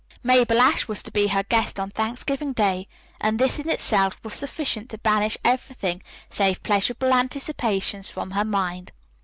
Mabel Ashe was to be her guest on Thanksgiving Day, and this in itself was sufficient to banish everything save pleasurable anticipations from her mind.